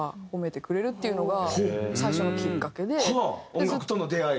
音楽との出会い？